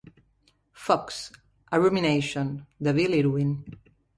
"Fox: a Rumination", de Bill Irwin.